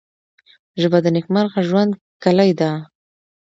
ژبه د نیکمرغه ژوند کلۍ ده